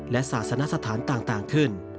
และศาสนสถานต่างขึ้น